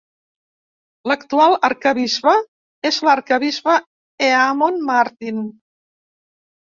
L'actual arquebisbe és l'arquebisbe Eamon Martin.